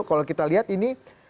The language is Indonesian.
kalau kita lihat ini